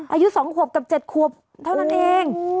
อายุ๒ขวบกับ๗ขวบเท่านั้นเอง